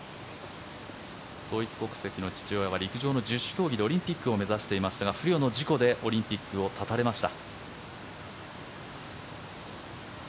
ドイツ国籍の父親は陸上の十種競技でオリンピックを目指していましたが不慮の事故でオリンピックを絶たれました。